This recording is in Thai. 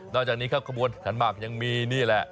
นอกจากนี้ครับข้อมูลข้างหลังยังมีนี่แหละ